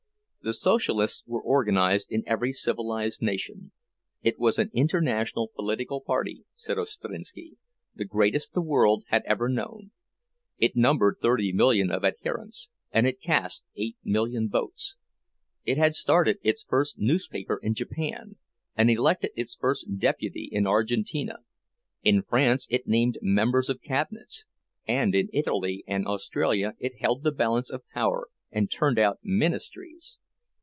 The Socialists were organized in every civilized nation; it was an international political party, said Ostrinski, the greatest the world had ever known. It numbered thirty million of adherents, and it cast eight million votes. It had started its first newspaper in Japan, and elected its first deputy in Argentina; in France it named members of cabinets, and in Italy and Australia it held the balance of power and turned out ministries.